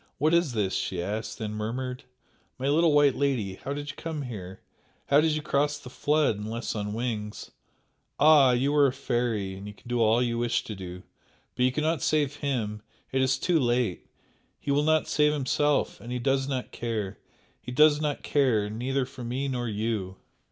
"What is this?" she asked then murmured "My little white lady, how did you come here? How could you cross the flood? unless on wings? Ah! you are a fairy and you can do all you wish to do but you cannot save HIM! it is too late! He will not save himself and he does not care, he does not care neither for me nor you!"